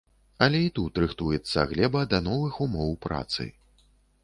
Але і тут рыхтуецца глеба да новых умоў працы.